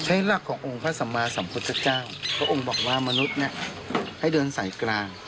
หลักขององค์พระสัมมาสัมพุทธเจ้าพระองค์บอกว่ามนุษย์ให้เดินสายกลาง